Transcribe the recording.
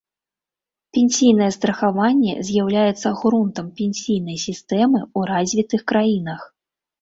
Пенсійнае страхаванне з'яўляецца грунтам пенсійнай сістэмы ў развітых краінах.